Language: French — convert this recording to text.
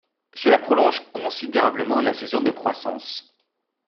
Cela prolonge considérablement la saison de croissance.